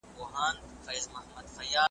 مور چي درخانۍ وي، لور به یې ښاپیرۍ وي